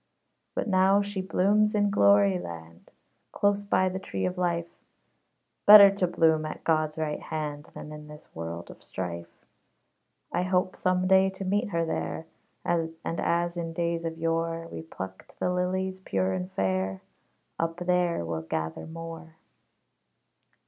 But now she blooms in glory land, Close by the tree of Life; Better to bloom at God's right hand Than in this world of strife. I hope some day to meet her there, And as in days of yore We plucked the lilies, pure and fair, Up there we'll gather more.